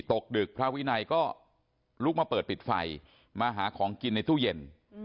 ดึกพระวินัยก็ลุกมาเปิดปิดไฟมาหาของกินในตู้เย็น